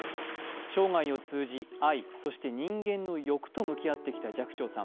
生涯を通じ、愛、そして人間の欲と向き合ってきた寂聴さん。